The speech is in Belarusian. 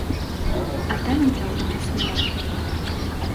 А талентаў у нас мора.